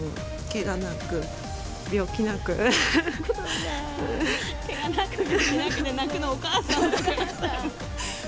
けがなく病気なくで泣くの、お母さんだからさ。